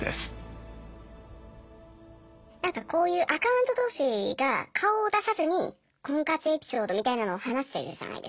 何かこういうアカウント同士が顔を出さずに婚活エピソードみたいなのを話してるじゃないですか。